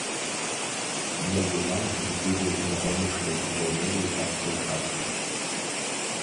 Новы ганак выходзіў на паўночную і паўднёвую частку ўчастка.